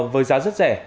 với giá rất rẻ